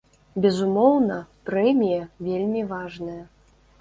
Безумоўна, прэмія вельмі важная.